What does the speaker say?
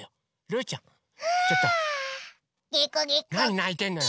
なにないてんのよ。